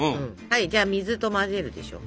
はいじゃあ水と混ぜるでしょ。